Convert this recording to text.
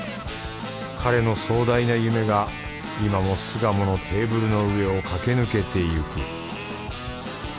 彼の壮大な夢が今も巣鴨のテーブルの上を駆け抜けていく